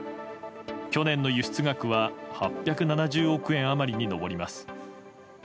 去年の輸出額は８７０億円余りに上ります。